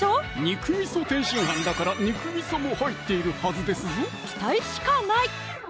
「肉みそ天津飯」だから肉みそも入っているはずですぞ期待しかない！